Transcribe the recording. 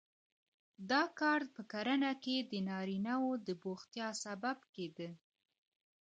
دا کار په کرنه کې نارینه وو د بوختیا سبب کېده.